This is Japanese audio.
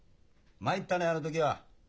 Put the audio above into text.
参ったねあの時は。